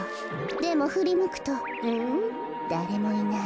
でもふりむくとだれもいない。